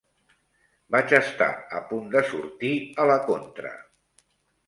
Vaig estar a punt de sortir a La Contra.